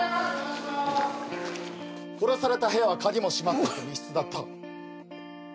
殺された部屋は鍵も閉まってて密室だった・